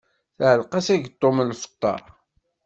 Tɛelleq-as ageṭṭum n lfeṭṭa.